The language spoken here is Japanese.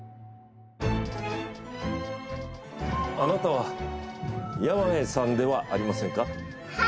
あなたは山家さんではありませんか？は。